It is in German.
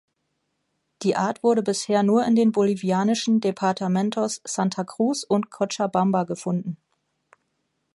Die Art wurde bisher nur in den bolivianischen Departamentos Santa Cruz und Cochabamba gefunden.